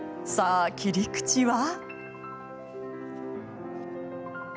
さあ切り口は。